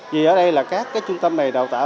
vì ở đây là các cái trung tâm này đào tạo